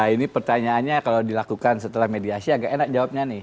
ini pertanyaannya kalau dilakukan setelah mediasi agak enak jawabnya nih